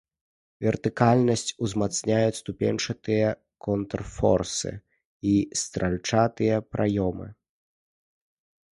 Вертыкальнасць узмацняюць ступеньчатыя контрфорсы і стральчатыя праёмы.